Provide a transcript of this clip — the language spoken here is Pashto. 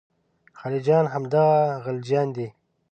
خلجیان همدغه غلجیان دي.